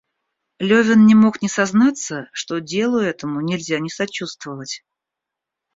Левин не мог не сознаться, что делу этому нельзя не сочувствовать.